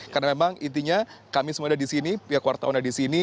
karena memang intinya kami semua ada di sini pihak wartawan ada di sini